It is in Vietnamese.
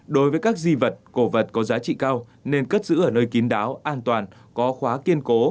đối với các di vật cổ vật có giá trị cao nên cất giữ ở nơi kín đáo an toàn có khóa kiên cố